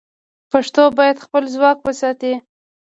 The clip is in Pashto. پښتو باید خپل ځواک وساتي.